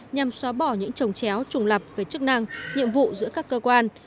nhằm xóa bỏ những trồng chéo trùng lập về chức năng nhiệm vụ giữa các cơ quan